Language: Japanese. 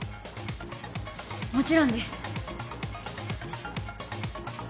もちろんです。